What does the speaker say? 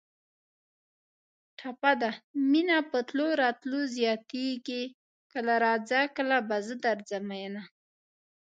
ټپه ده: مینه په تلو راتلو زیاتېږي کله راځه کله به زه درځم مینه